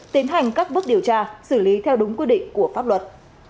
tiến hành các bước điều tra xử lý theo đúng quy định của pháp luật